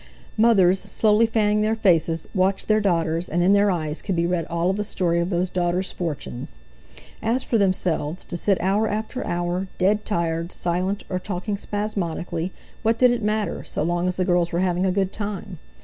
Mothers, slowly fanning their faces, watched their daughters, and in their eyes could be read all the story of those daughters' fortunes. As for themselves, to sit hour after hour, dead tired, silent, or talking spasmodically—what did it matter, so long as the girls were having a good time!